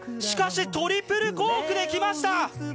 しかしトリプルコークできました！